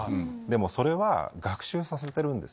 でもそれは学習させてるんです。